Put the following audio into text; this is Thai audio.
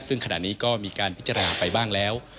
ซึ่งขณะนี้ก็มีการพิจารณาไปบ้างแล้ว